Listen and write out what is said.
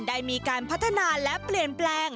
ได้มีการพัฒนาและเปลี่ยนแปลง